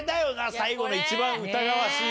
最後の一番疑わしい。